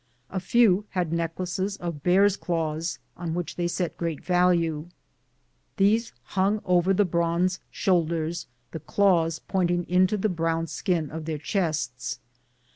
A few had necklaces of bears' claws, on which they set great value. These hung over the bronze shoulders, the claws pointing into the brown skin of their chests.